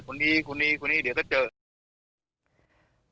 อยู่เที่ยวกันเดี๋ยวจะเจอ